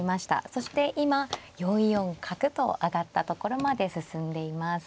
そして今４四角と上がったところまで進んでいます。